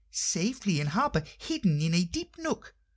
"Safely in harbour, hidden in a deep nook.